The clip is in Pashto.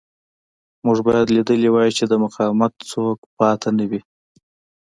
موږ باید لیدلی وای چې د مقاومت څوک پاتې نه وي